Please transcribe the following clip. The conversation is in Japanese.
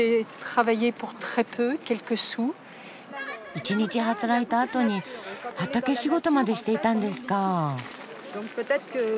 一日働いたあとに畑仕事までしていたんですか。